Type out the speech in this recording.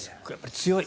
強い。